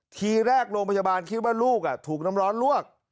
ทีแรกโรงพยาบาลคิดว่าลูกถูกน้ำร้อนลวก